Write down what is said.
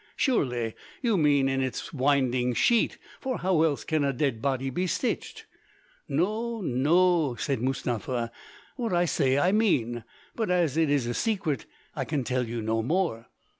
"Surely you mean in its winding sheet, for how else can a dead body be stitched?" "No, no," said Mustapha; "what I say I mean; but as it is a secret, I can tell you no more."